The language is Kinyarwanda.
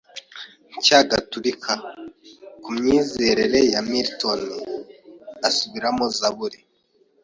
Nshya Gatolika ku myizerere ya Milton asubiramo Zaburi